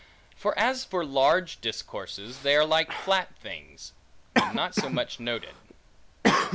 For as for large discourses, they are flat things, and not so much noted.